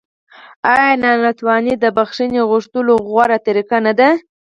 آیا نانواتې د بخښنې غوښتلو غوره طریقه نه ده؟